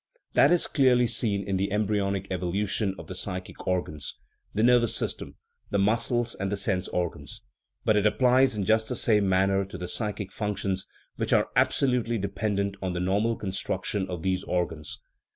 That is clearly seen in the embryonic evolution of the psychic organs, the nervous system, the muscles, and the sense organs. But it applies in just the same manner to the psychic functions, which are absolutely dependent on the nor mal construction of these organs.